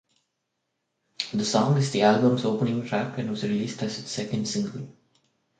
The song is the album's opening track, and was released as its second single.